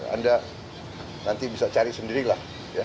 anda nanti bisa cari sendirilah